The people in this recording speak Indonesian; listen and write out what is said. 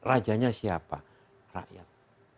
rajanya siapa rakyat